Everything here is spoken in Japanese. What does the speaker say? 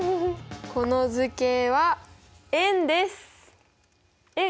この図形は円です円！